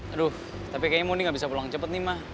aduh tapi kayaknya moni gak bisa pulang cepet nih ma